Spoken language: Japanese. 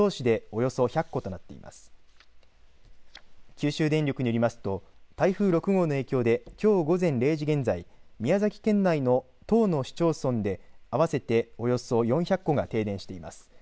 九州電力によりますと台風６号の影響できょう午前０時現在、宮崎県内の１０の市町村で合わせておよそ４００戸が停電しています。